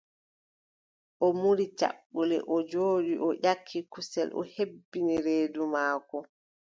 O muuri caɓɓule, o jooɗi o ƴakki kusel, o hebbini reedu maako.